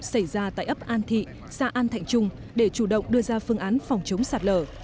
xảy ra tại ấp an thị xã an thạnh trung để chủ động đưa ra phương án phòng chống sạt lở